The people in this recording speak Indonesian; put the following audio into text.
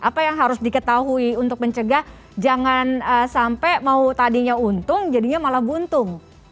apa yang harus diketahui untuk mencegah jangan sampai mau tadinya untung jadinya malah buntung